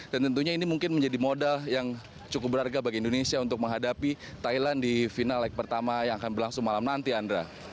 dan tentunya ini mungkin menjadi modal yang cukup berharga bagi indonesia untuk menghadapi thailand di final leg pertama yang akan berlangsung malam nanti andra